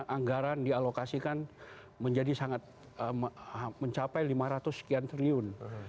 anggaran dialokasikan menjadi sangat mencapai lima ratus sekian triliun